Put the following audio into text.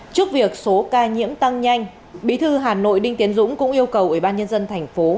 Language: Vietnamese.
trước việc số ca nhiễm tăng nhanh bí thư hà nội đinh tiến dũng cũng yêu cầu ủy ban nhân dân tp hcm